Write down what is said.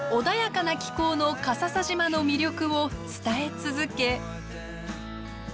穏やかな気候の笠佐島の魅力を伝え続け。